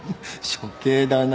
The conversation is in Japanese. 処刑だな。